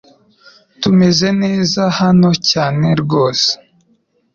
Tumeze neza hano cyane rwose